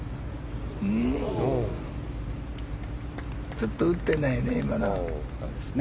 ちょっと打ててないね。